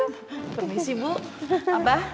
permisi bu abah